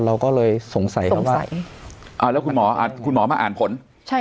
เราก็เลยสงสัยสงสัยอ่าแล้วคุณหมอคุณหมอมาอ่านผลใช่